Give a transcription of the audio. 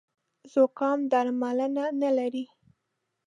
زوکام درملنه نه لري